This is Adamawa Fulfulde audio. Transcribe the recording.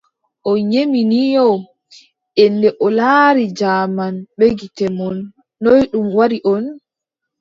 O ƴemi ni yo, yennde o laari jaman bee gite mon ,noy ɗum waɗi on ?